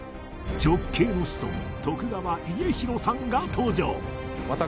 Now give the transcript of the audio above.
直系の子孫川家広さんが登場